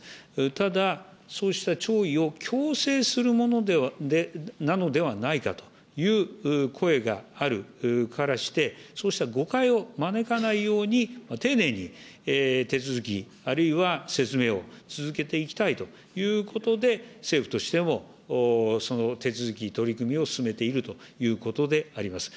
ただ、そうした弔意を強制するものなのではないかという声があるからして、そうした誤解を招かないように、丁寧に手続き、あるいは説明を続けていきたいということで、政府としても、その手続き、取り組みを進めているということであります。